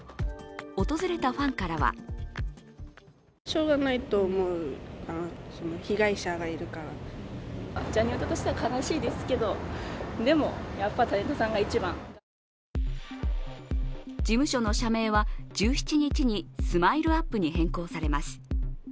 訪れたファンからは事務所の社名は１７日にＳＭＩＬＥ−ＵＰ．に変更されます。